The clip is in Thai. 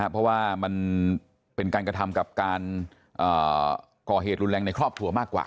เพราะว่ามันเป็นการกระทำกับการก่อเหตุรุนแรงในครอบครัวมากกว่า